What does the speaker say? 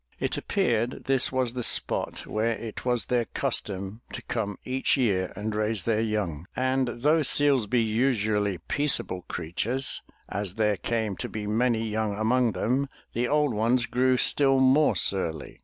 It appeared this was the spot where it was their custom to come each year and raise their young, and though seals be usually peaceable creatures, as there came to be many young among them, the old ones grew still more surly.